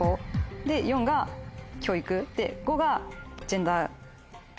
４が教育５がジェンダー平等。